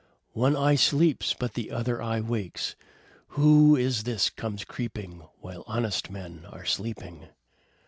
one eye sleeps, but the other eye wakes! Who is this comes creeping, while honest men are sleeping?"